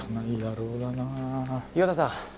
岩田さん。